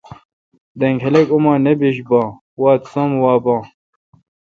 دینگ خلق اماں نہ بیش باں وات سم وا باں